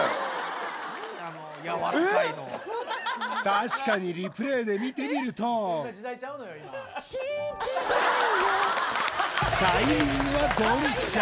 確かにリプレイで見てみるとタイミングはドンピシャ